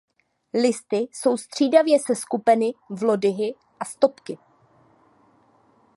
Listy jsou střídavě seskupeny v lodyhy a stopky.